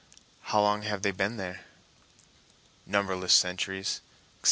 "How long have they been there?" "Numberless centuries," etc.